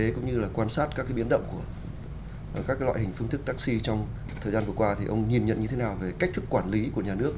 qua quan sát chúng ta thấy rằng